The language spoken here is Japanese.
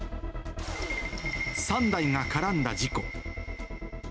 ３台が絡んだ事故。